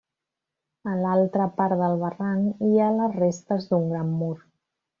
A l'altra part del barranc hi ha les restes d'un gran mur.